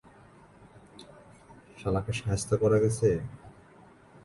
শালাকে শায়েস্তা করা গেছে?